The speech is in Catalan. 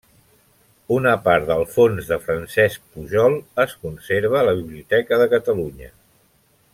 Una part del fons de Francesc Pujol es conserva a la Biblioteca de Catalunya.